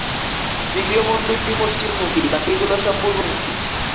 তৃতীয় মন্দিরটি পশ্চিমমুখী, বাকিগুলো সব পূর্বমুখী।